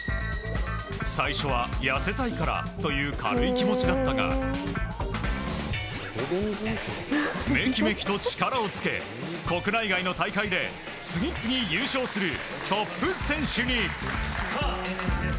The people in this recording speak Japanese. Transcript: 最初は痩せたいからという軽い気持ちだったがめきめきと力をつけ国内外の大会で次々優勝するトップ選手に。